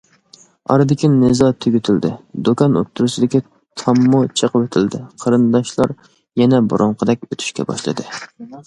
ئارىدىكى نىزا تۈگىتىلدى، دۇكان ئوتتۇرىسىدىكى تاممۇ چېقىۋېتىلدى، قېرىنداشلار يەنە بۇرۇنقىدەك ئۆتۈشكە باشلىدى.